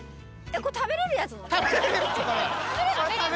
これ食べれるやつ。